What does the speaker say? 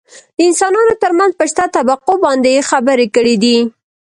دانسانانو ترمنځ په شته طبقو باندې يې خبرې کړي دي .